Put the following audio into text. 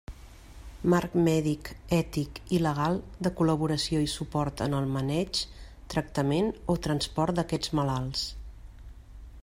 Marc mèdic ètic i legal de col·laboració i suport en el maneig, tractament o transport d'aquests malalts.